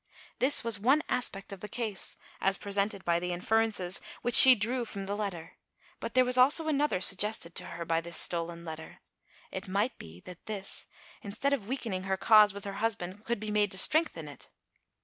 This was one aspect of the case, as presented by the inferences, which she drew from the letter. But there was also another sug gested to her by this stolen letter. It might be that this, instead of weakening her cause with her husband, could be made to strengthen it.